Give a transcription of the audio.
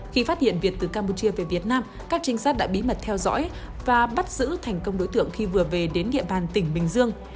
khi phát hiện việt từ campuchia về việt nam các trinh sát đã bí mật theo dõi và bắt giữ thành công đối tượng khi vừa về đến địa bàn tỉnh bình dương